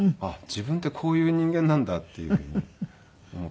自分ってこういう人間なんだっていうふうに思って。